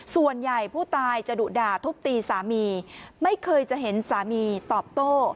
ส่วนใหญ่ผู้ตายจะดุด่าทุบตีสามีไม่เคยจะเห็นสามีตอบโต้